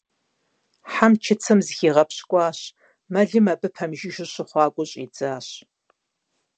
Хьэм чыцэм зыхигъэпщкӀуащ, мэлым абы пэмыжыжьэу щыхъуакӀуэу щӀидзащ.